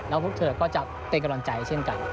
แล้วพวกเธอก็จะเป็นกำลังใจเช่นกัน